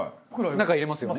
中入れますよね？